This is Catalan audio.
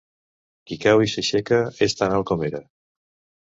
Qui cau i s'aixeca és tan alt com era.